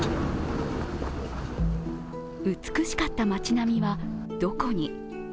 美しかった町並みはどこに。